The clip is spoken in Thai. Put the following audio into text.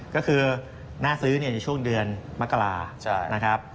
ก็คือน่าซื้อในช่วงเดือนมกรานะครับ